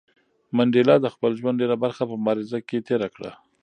منډېلا د خپل ژوند ډېره برخه په مبارزه کې تېره کړه.